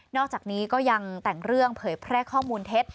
อกจากนี้ก็ยังแต่งเรื่องเผยแพร่ข้อมูลเท็จ